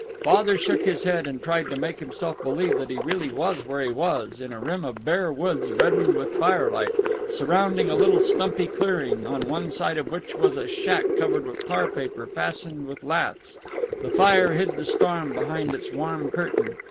Father shook his head and tried to make himself believe that he really was where he was in a rim of bare woods reddened with firelight, surrounding a little stumpy clearing, on one side of which was a shack covered with tar paper fastened with laths. The fire hid the storm behind its warm curtain.